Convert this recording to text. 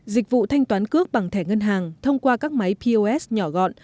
dịch vụ thanh toán cước bằng thẻ ngân hàng thông qua các máy pos nhỏ gọn